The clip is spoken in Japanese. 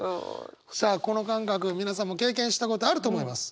さあこの感覚皆さんも経験したことあると思います。